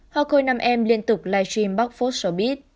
họ khôi nam em liên tục live stream bóc phốt showbiz